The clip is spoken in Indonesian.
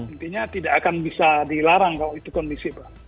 intinya tidak akan bisa dilarang kalau itu kondisi pak